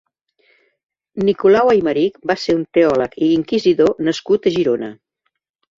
Nicolau Eimeric va ser un teòleg i inquisidor nascut a Girona.